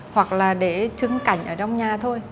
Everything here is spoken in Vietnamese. hoặc là để chứng cảnh ở trong nhà thôi